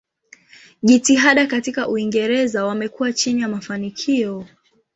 Jitihada katika Uingereza wamekuwa chini ya mafanikio.